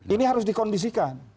ini harus dikondisikan